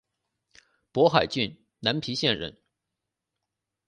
勃海郡南皮县人。